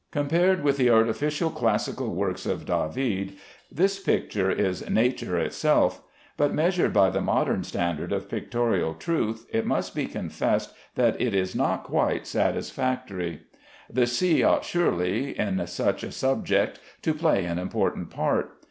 Compared with the artificial, classical works of David, this picture is nature itself; but measured by the modern standard of pictorial truth, it must be confessed that it is not quite satisfactory. The sea ought surely in such a subject to play an important part.